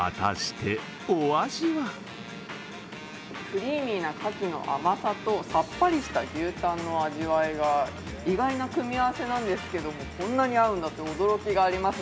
クリーミーなかきの甘さとさっぱりとした牛タンの味わいが意外な組み合わせなんですけどもこんなに合うんだって驚きがあります。